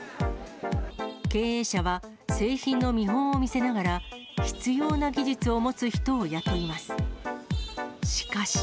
経営者は製品の見本を見せながら、必要な技術を持つ人を雇います。